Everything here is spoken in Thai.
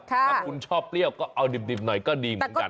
ถ้าคุณชอบเปรี้ยวก็เอาดิบหน่อยก็ดีเหมือนกัน